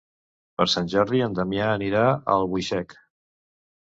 Per Sant Jordi en Damià anirà a Albuixec.